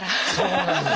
そうなんですよ。